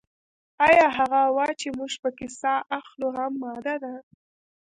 ایا هغه هوا چې موږ پکې ساه اخلو هم ماده ده